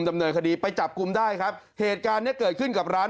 ดำเนินคดีไปจับกลุ่มได้ครับเหตุการณ์เนี้ยเกิดขึ้นกับร้าน